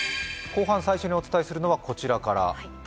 後半最初にお伝えするのはこちらから。